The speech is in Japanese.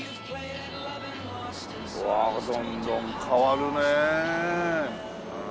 うわあどんどん変わるねえ。